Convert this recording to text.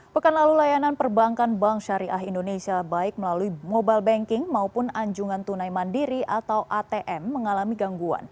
pekan lalu layanan perbankan bank syariah indonesia baik melalui mobile banking maupun anjungan tunai mandiri atau atm mengalami gangguan